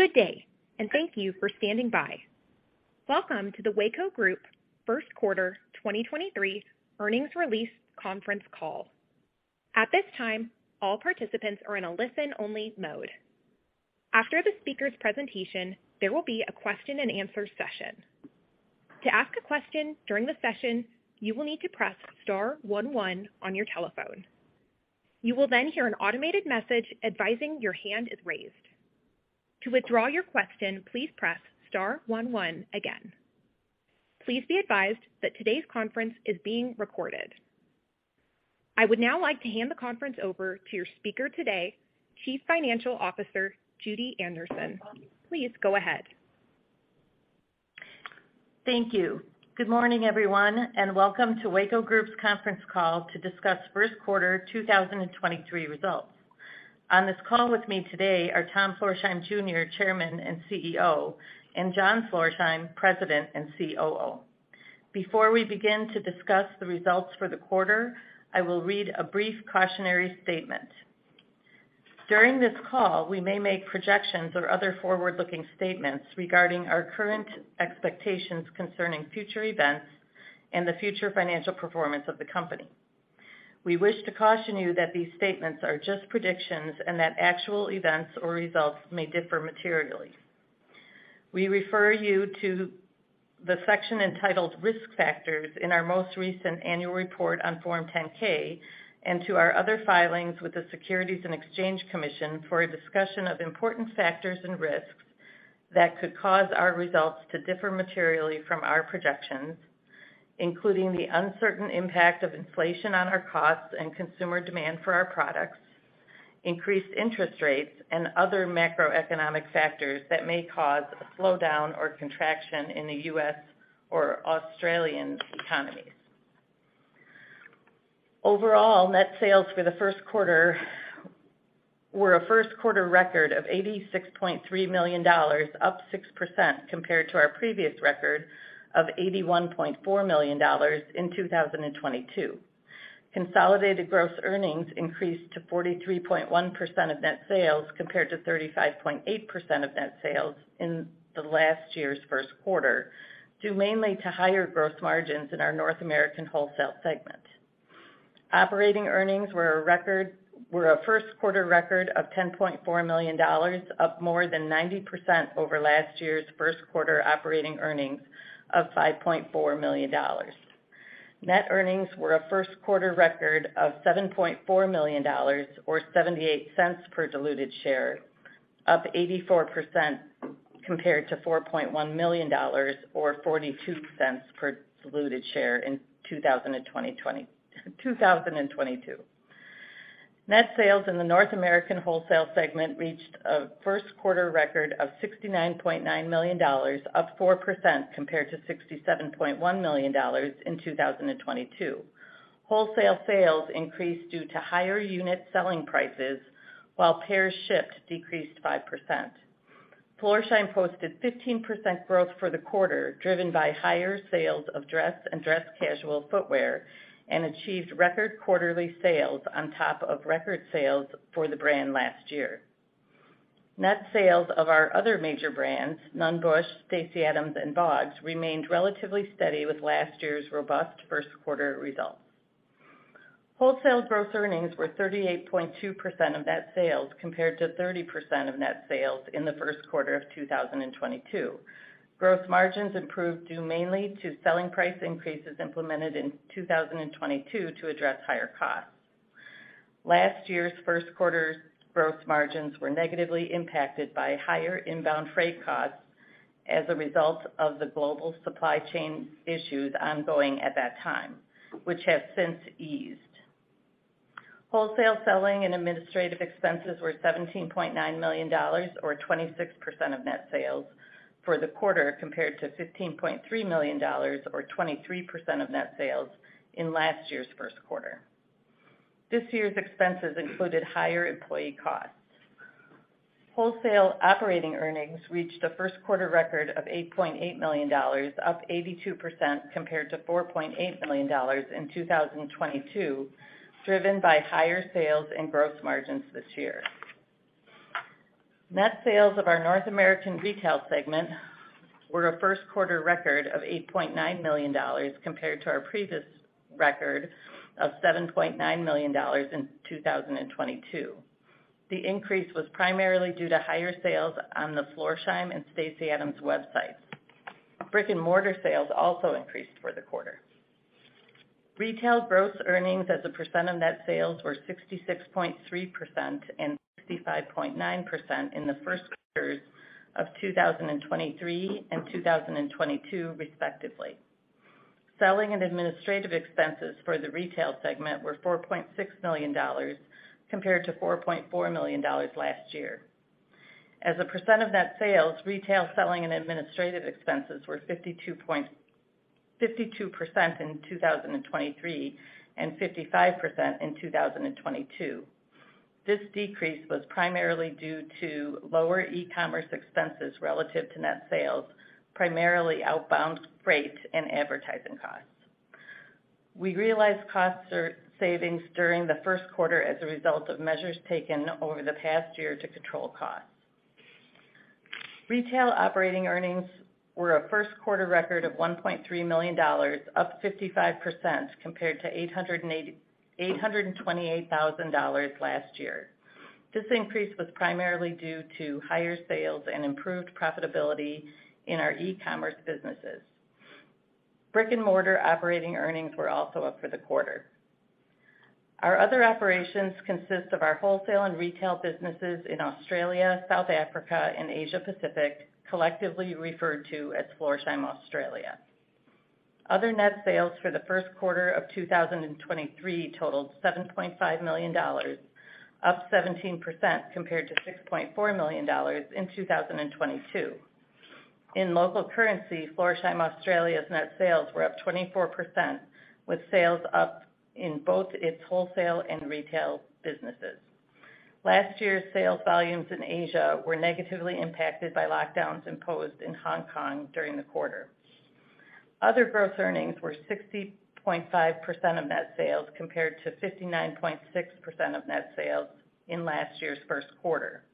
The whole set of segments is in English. Good day, and thank you for standing by. Welcome to the Weyco Group First Quarter 2023 Earnings Release Conference Call. At this time, all participants are in a listen-only mode. After the speaker's presentation, there will be a question-and-answer session. To ask a question during the session, you will need to press star one one on your telephone. You will then hear an automated message advising your hand is raised. To withdraw your question, please press star one one again. Please be advised that today's conference is being recorded. I would now like to hand the conference over to your speaker today, Chief Financial Officer, Judy Anderson. Please go ahead. Thank you. Good morning, everyone, and welcome to Weyco Group's Conference Call to discuss first quarter 2023 results. On this call with me today are Tom Florsheim Jr., Chairman and CEO, and John Florsheim, President and COO. Before we begin to discuss the results for the quarter, I will read a brief cautionary statement. During this call, we may make projections or other forward-looking statements regarding our current expectations concerning future events and the future financial performance of the company. We wish to caution you that these statements are just predictions and that actual events or results may differ materially. We refer you to the section entitled Risk Factors in our most recent annual report on Form 10-K and to our other filings with the Securities and Exchange Commission for a discussion of important factors and risks that could cause our results to differ materially from our projections, including the uncertain impact of inflation on our costs and consumer demand for our products, increased interest rates and other macroeconomic factors that may cause a slowdown or contraction in the U.S. or Australian economies. Net sales for the first quarter were a first-quarter record of $86.3 million, up 6% compared to our previous record of $81.4 million in 2022. Consolidated gross earnings increased to 43.1% of net sales, compared to 35.8% of net sales in the last year's first quarter, due mainly to higher gross margins in our North American wholesale segment. Operating earnings were a first quarter record of $10.4 million, up more than 90% over last year's first quarter operating earnings of $5.4 million. Net earnings were a first quarter record of $7.4 million or $0.78 per diluted share, up 84% compared to $4.1 million or $0.42 per diluted share in 2022. Net sales in the North American wholesale segment reached a first quarter record of $69.9 million, up 4% compared to $67.1 million in 2022. Wholesale sales increased due to higher unit selling prices while pairs shipped decreased 5%. Florsheim posted 15% growth for the quarter, driven by higher sales of dress and dress casual footwear, and achieved record quarterly sales on top of record sales for the brand last year. Net sales of our other major brands, Nunn Bush, Stacy Adams, and BOGS, remained relatively steady with last year's robust first quarter results. Wholesale gross earnings were 38.2% of net sales, compared to 30% of net sales in the first quarter of 2022. Gross margins improved, due mainly to selling price increases implemented in 2022 to address higher costs. Last year's first quarter's gross margins were negatively impacted by higher inbound freight costs as a result of the global supply chain issues ongoing at that time, which have since eased. Wholesale selling and administrative expenses were $17.9 million, or 26% of net sales for the quarter, compared to $15.3 million or 23% of net sales in last year's first quarter. This year's expenses included higher employee costs. Wholesale operating earnings reached a first quarter record of $8.8 million, up 82% compared to $4.8 million in 2022, driven by higher sales and gross margins this year. Net sales of our North American retail segment were a first quarter record of $8.9 million compared to our previous record of $7.9 million in 2022. The increase was primarily due to higher sales on the Florsheim and Stacy Adams websites. Brick-and-mortar sales also increased for the quarter. Retail gross earnings as a percent of net sales were 66.3% and 65.9% in the first quarters of 2023 and 2022, respectively. Selling and administrative expenses for the retail segment were $4.6 million compared to $4.4 million last year. As a percent of net sales, retail selling and administrative expenses were 52% in 2023 and 55% in 2022. This decrease was primarily due to lower e-commerce expenses relative to net sales, primarily outbound freight and advertising costs. We realized cost savings during the first quarter as a result of measures taken over the past year to control costs. Retail operating earnings were a first quarter record of $1.3 million, up 55% compared to $828,000 last year. This increase was primarily due to higher sales and improved profitability in our e-commerce businesses. Brick-and-mortar operating earnings were also up for the quarter. Our other operations consist of our wholesale and retail businesses in Australia, South Africa, and Asia-Pacific, collectively referred to as Florsheim Australia. Other net sales for the first quarter of 2023 totaled $7.5 million, up 17% compared to $6.4 million in 2022. In local currency, Florsheim Australia's net sales were up 24%, with sales up in both its wholesale and retail businesses. Last year's sales volumes in Asia were negatively impacted by lockdowns imposed in Hong Kong during the quarter. Other gross earnings were 60.5% of net sales, compared to 59.6% of net sales in last year's first quarter.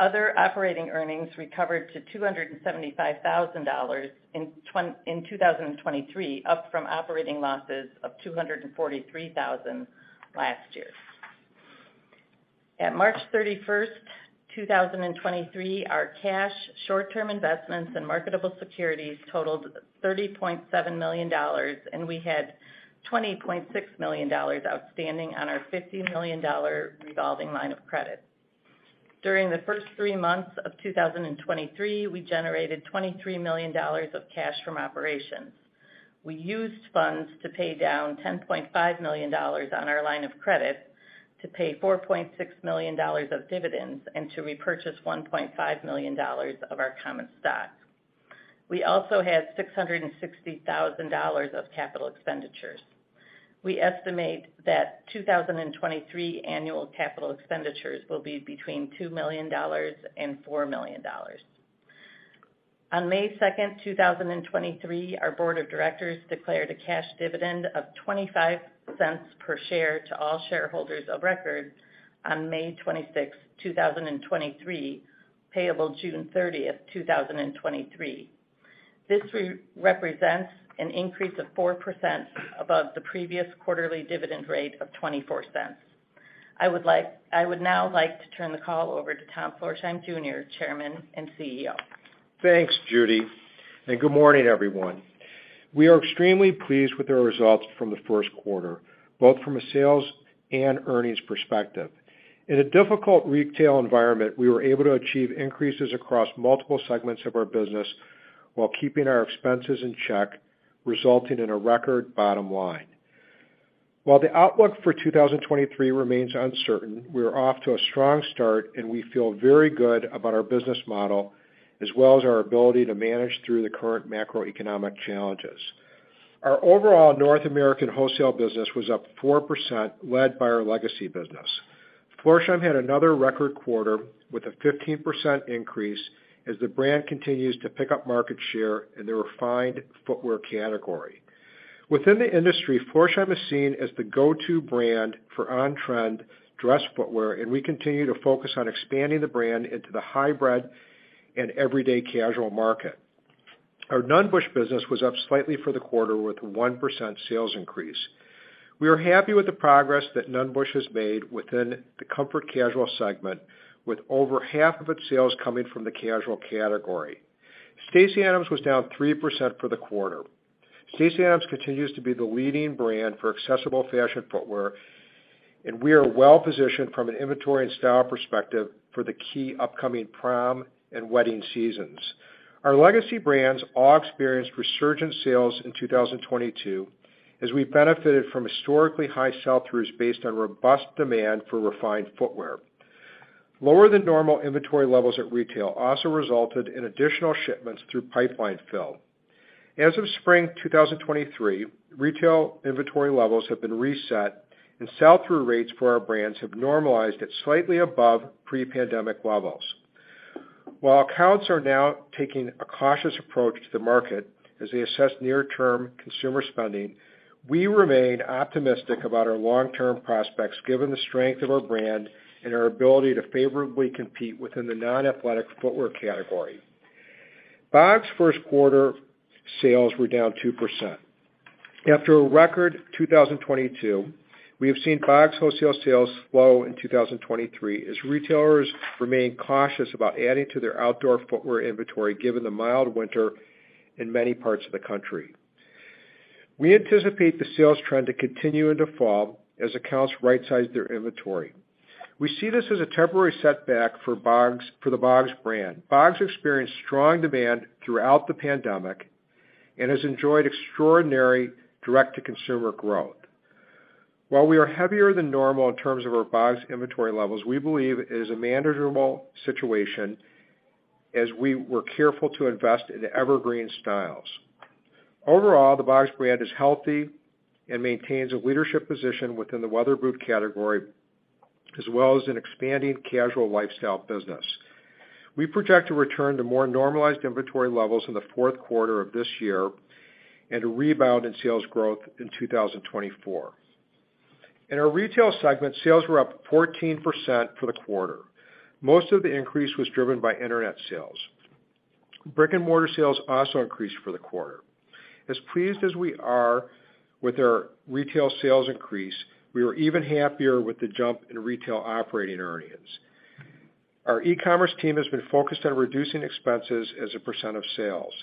Other operating earnings recovered to $275,000 in 2023, up from operating losses of $243,000 last year. At March 31st, 2023, our cash, short-term investments, and marketable securities totaled $30.7 million, and we had $20.6 million outstanding on our $50 million revolving line of credit. During the first three months of 2023, we generated $23 million of cash from operations. We used funds to pay down $10.5 million on our line of credit to pay $4.6 million of dividends and to repurchase $1.5 million of our common stock. We also had $660,000 of capital expenditures. We estimate that 2023 annual capital expenditures will be between $2 million and $4 million. On May 2nd, 2023, our board of directors declared a cash dividend of $0.25 per share to all shareholders of record on May 26th, 2023, payable June 30th, 2023. This represents an increase of 4% above the previous quarterly dividend rate of $0.24. I would now like to turn the call over to Tom Florsheim Jr., Chairman and CEO. Thanks, Judy. Good morning, everyone. We are extremely pleased with the results from the first quarter, both from a sales and earnings perspective. In a difficult retail environment, we were able to achieve increases across multiple segments of our business while keeping our expenses in check, resulting in a record bottom line. While the outlook for 2023 remains uncertain, we're off to a strong start, and we feel very good about our business model as well as our ability to manage through the current macroeconomic challenges. Our overall North American wholesale business was up 4% led by our legacy business. Florsheim had another record quarter with a 15% increase as the brand continues to pick up market share in the refined footwear category. Within the industry, Florsheim is seen as the go-to brand for on-trend dress footwear. We continue to focus on expanding the brand into the hybrid and everyday casual market. Our Nunn Bush business was up slightly for the quarter with a 1% sales increase. We are happy with the progress that Nunn Bush has made within the comfort casual segment with over half of its sales coming from the casual category. Stacy Adams was down 3% for the quarter. Stacy Adams continues to be the leading brand for accessible fashion footwear. We are well-positioned from an inventory and style perspective for the key upcoming prom and wedding seasons. Our legacy brands all experienced resurgent sales in 2022 as we benefited from historically high sell-throughs based on robust demand for refined footwear. Lower than normal inventory levels at retail also resulted in additional shipments through pipeline fill. As of spring 2023, retail inventory levels have been reset and sell-through rates for our brands have normalized at slightly above pre-pandemic levels. While accounts are now taking a cautious approach to the market as they assess near-term consumer spending, we remain optimistic about our long-term prospects given the strength of our brand and our ability to favorably compete within the non-athletic footwear category. BOGS' first quarter sales were down 2%. After a record 2022, we have seen BOGS' wholesale sales slow in 2023 as retailers remain cautious about adding to their outdoor footwear inventory given the mild winter in many parts of the country. We anticipate the sales trend to continue into fall as accounts right-size their inventory. We see this as a temporary setback for the BOGS brand. Bogs experienced strong demand throughout the pandemic and has enjoyed extraordinary direct-to-consumer growth. While we are heavier than normal in terms of our BOGS inventory levels, we believe it is a manageable situation as we were careful to invest in evergreen styles. Overall, the BOGS brand is healthy and maintains a leadership position within the weather boot category, as well as an expanding casual lifestyle business. We project to return to more normalized inventory levels in the fourth quarter of this year and a rebound in sales growth in 2024. In our retail segment, sales were up 14% for the quarter. Most of the increase was driven by Internet sales. Brick-and-mortar sales also increased for the quarter. As pleased as we are with our retail sales increase, we were even happier with the jump in retail operating earnings. Our e-commerce team has been focused on reducing expenses as a percent of sales.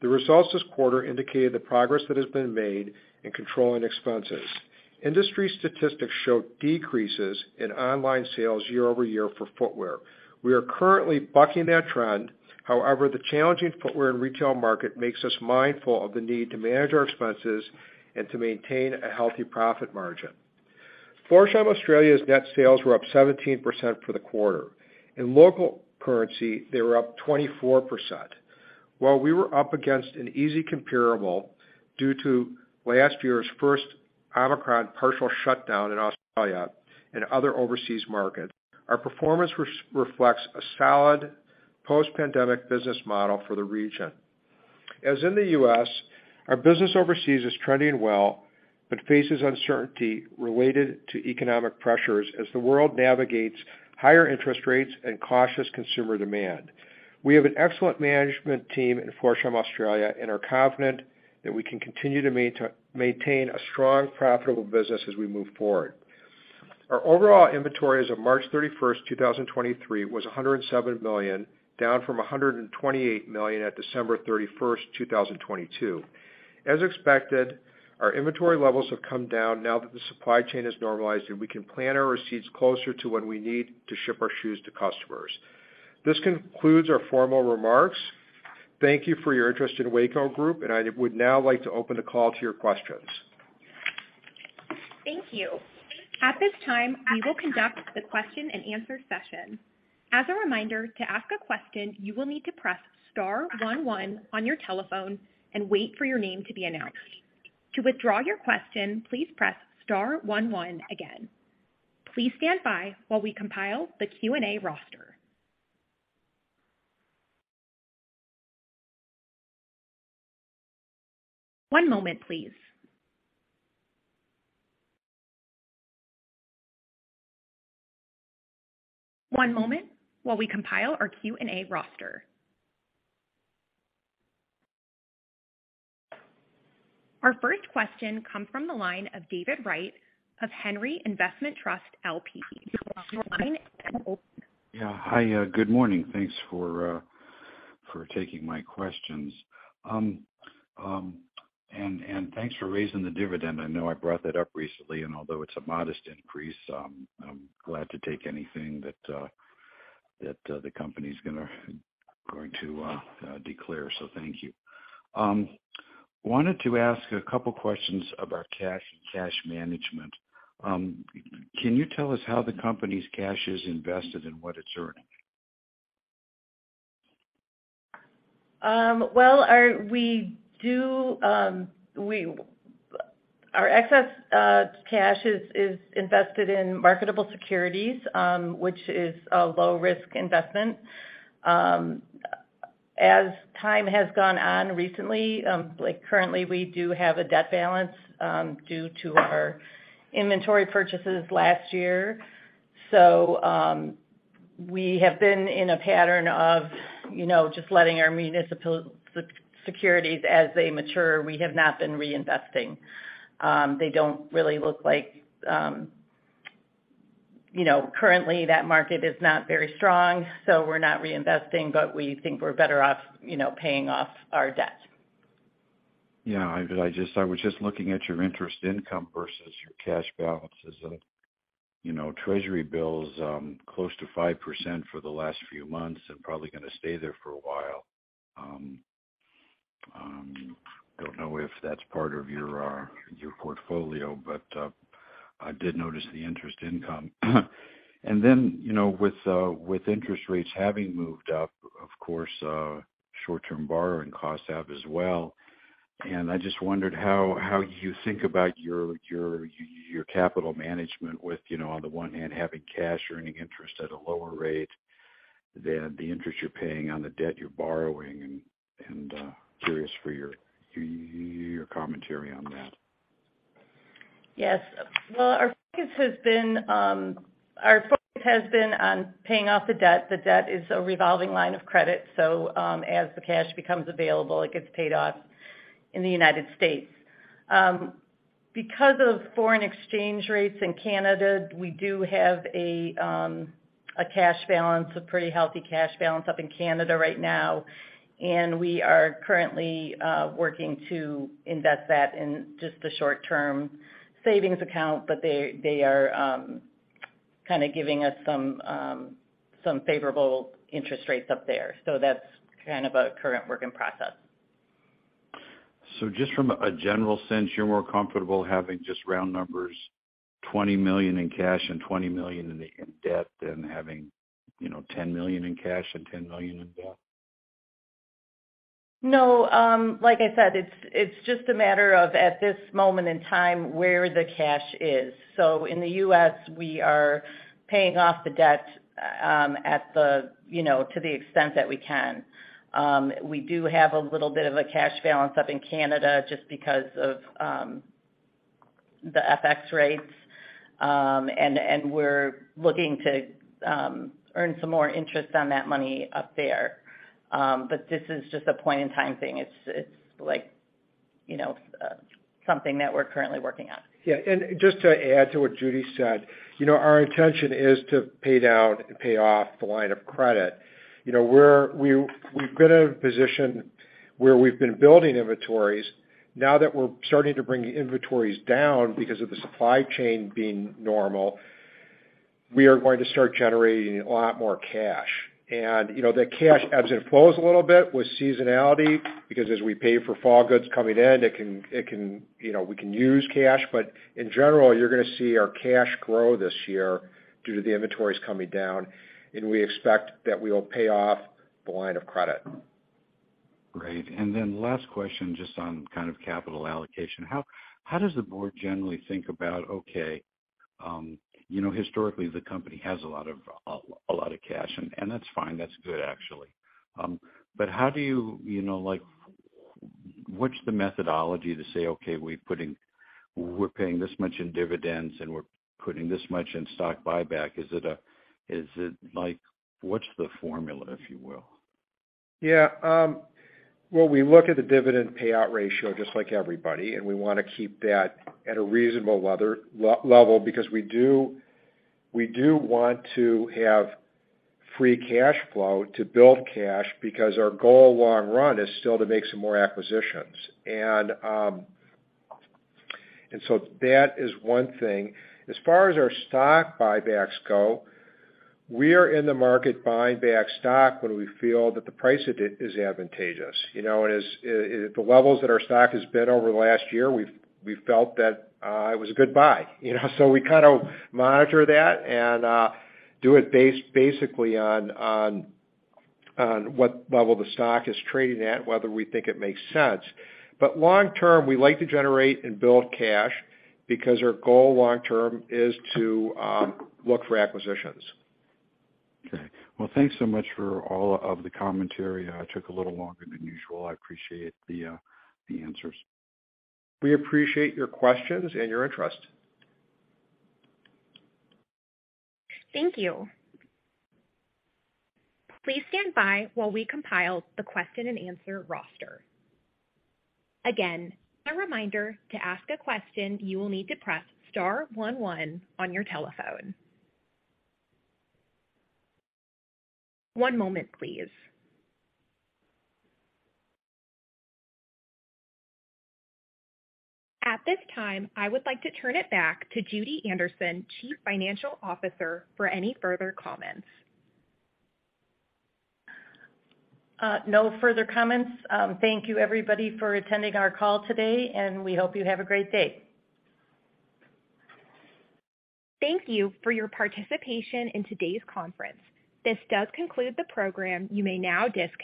The results this quarter indicated the progress that has been made in controlling expenses. Industry statistics show decreases in online sales year-over-year for footwear. We are currently bucking that trend. However, the challenging footwear and retail market makes us mindful of the need to manage our expenses and to maintain a healthy profit margin. Florsheim Australia's net sales were up 17% for the quarter. In local currency, they were up 24%. While we were up against an easy comparable due to last year's first Omicron partial shutdown in Australia and other overseas markets, our performance reflects a solid post-pandemic business model for the region. As in the U.S., our business overseas is trending well, faces uncertainty related to economic pressures as the world navigates higher interest rates and cautious consumer demand. We have an excellent management team in Florsheim Australia, are confident that we can continue to maintain a strong, profitable business as we move forward. Our overall inventory as of March 31st, 2023 was $107 million, down from $128 million at December 31st, 2022. As expected, our inventory levels have come down now that the supply chain has normalized, we can plan our receipts closer to when we need to ship our shoes to customers. This concludes our formal remarks. Thank you for your interest in Weyco Group, I would now like to open the call to your questions. Thank you. At this time, we will conduct the question-and-answer session. As a reminder, to ask a question, you will need to press star one one on your telephone and wait for your name to be announced. To withdraw your question, please press star one one again. Please stand by while we compile the Q&A roster. One moment, please. One moment while we compile our Q&A roster. Our first question comes from the line of David Wright of Henry Investment Trust L.P.. Your line is now open. Yeah. Hi. Good morning. Thanks for taking my questions. And thanks for raising the dividend. I know I brought that up recently, and although it's a modest increase, I'm glad to take anything that that the company's going to declare. Thank you. Wanted to ask a couple of questions about cash and cash management. Can you tell us how the company's cash is invested and what it's earning? Well, Our excess cash is invested in marketable securities, which is a low-risk investment. As time has gone on recently, like, currently we do have a debt balance due to our inventory purchases last year. We have been in a pattern of, you know, just letting our municipal securities as they mature. We have not been reinvesting. They don't really look like, you know, currently that market is not very strong, so we're not reinvesting, but we think we're better off, you know, paying off our debt. I was just looking at your interest income versus your cash balances. You know, Treasury bill's close to 5% for the last few months and probably gonna stay there for a while. Don't know if that's part of your portfolio, but I did notice the interest income. You know, with interest rates having moved up, of course, short-term borrowing costs have as well. I just wondered how you think about your capital management with, you know, on the one hand, having cash or any interest at a lower rate than the interest you're paying on the debt you're borrowing. Curious for your commentary on that. Yes. Well, our focus has been on paying off the debt. The debt is a revolving line of credit. As the cash becomes available, it gets paid off in the U.S.. Because of foreign exchange rates in Canada, we do have a cash balance, a pretty healthy cash balance up in Canada right now. We are currently working to invest that in just the short-term savings account. They are kind of giving us some favorable interest rates up there. That's kind of a current work in process. Just from a general sense, you're more comfortable having just round numbers, $20 million in cash and $20 million in debt than having, you know, $10 million in cash and $10 million in debt? No. Like I said, it's just a matter of, at this moment in time, where the cash is. In the U.S., we are paying off the debt, you know, to the extent that we can. We do have a little bit of a cash balance up in Canada just because of the FX rates. We're looking to earn some more interest on that money up there. This is just a point in time thing. It's like, you know, something that we're currently working on. Yeah. Just to add to what Judy said, you know, our intention is to pay down and pay off the line of credit. You know, we've been in a position where we've been building inventories. Now that we're starting to bring inventories down because of the supply chain being normal, we are going to start generating a lot more cash. You know, the cash ebbs and flows a little bit with seasonality because as we pay for fall goods coming in, it can, you know, we can use cash. In general, you're gonna see our cash grow this year due to the inventories coming down, and we expect that we will pay off the line of credit. Great. Last question, just on kind of capital allocation. How does the board generally think about, okay, you know, historically the company has a lot of cash, and that's fine, that's good actually. How do you know, like, what's the methodology to say, okay, we're paying this much in dividends, and we're putting this much in stock buyback. Is it like, what's the formula, if you will? Well, we look at the dividend payout ratio just like everybody, and we wanna keep that at a reasonable level because we do want to have free cash flow to build cash because our goal long run is still to make some more acquisitions. That is one thing. As far as our stock buybacks go, we are in the market buying back stock when we feel that the price it is advantageous. You know? As at the levels that our stock has been over the last year, we felt that it was a good buy. You know? We kinda monitor that and do it basically on what level the stock is trading at, whether we think it makes sense. Long term, we like to generate and build cash because our goal long term is to look for acquisitions. Okay. Well, thanks so much for all of the commentary. I took a little longer than usual. I appreciate the answers. We appreciate your questions and your interest. Thank you. Please stand by while we compile the question-and-answer roster. Again, a reminder, to ask a question, you will need to press star one one on your telephone. One moment, please. At this time, I would like to turn it back to Judy Anderson, Chief Financial Officer, for any further comments. No further comments. Thank you everybody for attending our call today, and we hope you have a great day. Thank you for your participation in today's conference. This does conclude the program. You may now disconnect.